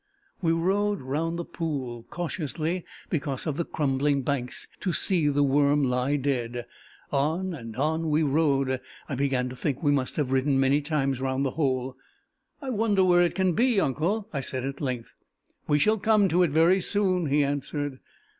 We rode round the pool, cautiously because of the crumbling banks, to see the worm lie dead. On and on we rode. I began to think we must have ridden many times round the hole. "I wonder where it can be, uncle!" I said at length. "We shall come to it very soon," he answered.